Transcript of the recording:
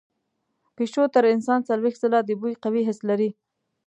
پیشو تر انسان څلوېښت ځله د بوی قوي حس لري.